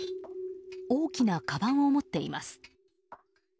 大きなかばんを持っています。